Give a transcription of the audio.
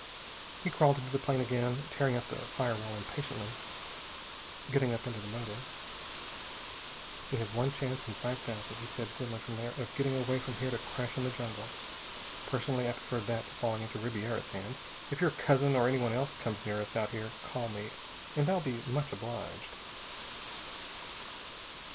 He crawled into the plane again, tearing out the fire wall impatiently, getting up under the motor. "We have one chance in five thousand," he said grimly from there, "of getting away from here to crash in the jungle. Personally, I prefer that to falling into Ribiera's hands. If your cousin or anybody else comes near us, out here, call me, and I'll be much obliged."